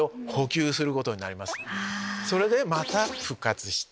それでまた復活して。